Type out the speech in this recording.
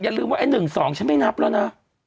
อย่าลืมว่าไอ้๑๒ฉันนั้นไม่นับแล้วนะ